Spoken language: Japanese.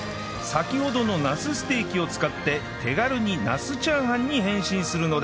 先ほどのなすステーキを使って手軽になすチャーハンに変身するのです